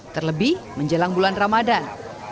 terlebih menjelang bulan ramadan